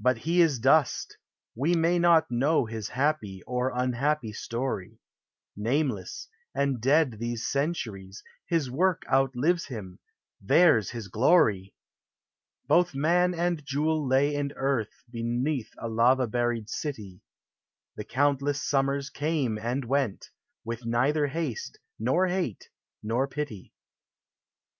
But he is dust: we may nol know His happy or unhappy Btory ; Nameless, and dead these centuries, His work outlives hini there \s his glory ! Both man and jewel lay iii earth Beneath a, lava buried city ; The countless summers came and went, With ueither haste, nor hate, uor pity.